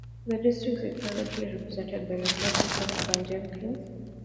The district is currently represented by Republican Evan Jenkins.